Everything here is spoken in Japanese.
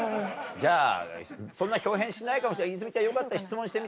じゃあそんな豹変しないかも泉ちゃんよかったら質問してみ。